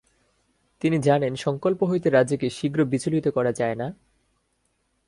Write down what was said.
তিনি জানেন, সংকল্প হইতে রাজাকে শীঘ্র বিচলিত করা যায় না।